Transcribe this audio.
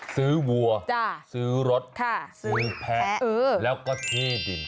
วัวซื้อรถซื้อแพะแล้วก็ที่ดิน